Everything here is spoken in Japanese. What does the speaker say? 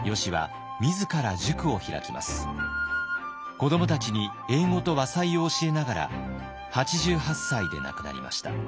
子どもたちに英語と和裁を教えながら８８歳で亡くなりました。